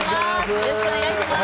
よろしくお願いします。